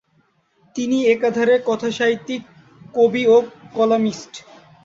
তিনি একাধারে কথাসাহিত্যিক, কবি ও কলামিস্ট।